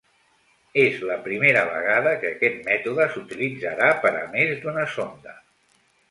És la primera vegada que aquest mètode s'utilitzarà per a més d'una sonda.